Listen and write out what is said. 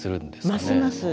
ますます。